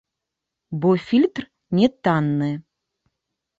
Бо фільтр не танны.